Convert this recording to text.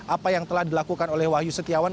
apa yang telah dilakukan oleh wahyu setiawan